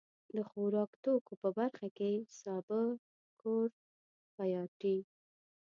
د خوراکتوکو په برخه کې سابه، کورت، پياټي.